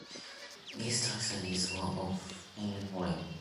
This structure is of finite volume.